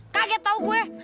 kaget tau gue